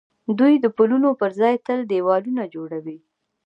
دوی د پلونو پر ځای تل دېوالونه جوړوي.